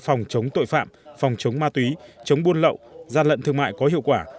phòng chống tội phạm phòng chống ma túy chống buôn lậu gian lận thương mại có hiệu quả